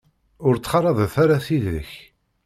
Ur ttxalaḍet ara tidak.